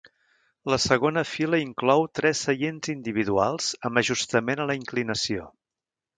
La segona fila inclou tres seients individuals amb ajustament a la inclinació.